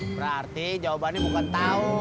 berarti jawabannya bukan tau